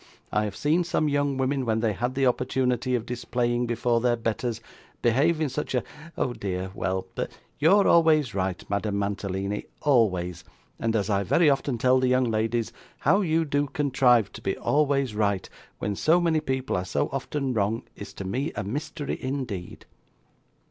I have seen some young women when they had the opportunity of displaying before their betters, behave in such a oh, dear well but you're always right, Madame Mantalini, always; and as I very often tell the young ladies, how you do contrive to be always right, when so many people are so often wrong, is to me a mystery indeed.